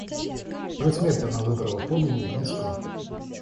Даже смерть она выбрала подлую, низкую.